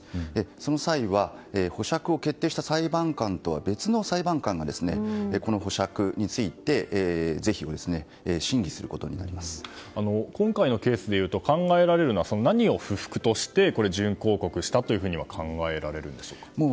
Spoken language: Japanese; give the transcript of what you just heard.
その際は、保釈を決定した裁判官とは別の裁判官がこの保釈について今回のケースでいうと考えられるのは何を不服として準抗告したと考えられるんでしょうか。